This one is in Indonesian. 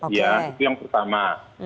itu yang pertama